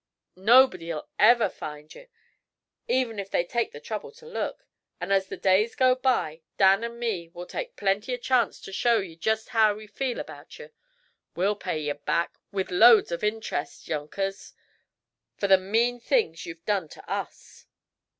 Nobody'll ever find ye, even if they take the trouble t'look. And, as the days go by, Dan and me will take plenty of chance t'show ye just how we feel about ye. We'll pay ye back, with loads of interest, younkers, for the mean things ye've done to us!"